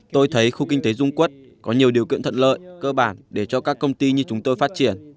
tôi thấy khu kinh tế dung quốc có nhiều điều kiện thuận lợi cơ bản để cho các công ty như chúng tôi phát triển